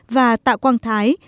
và tạ quang thái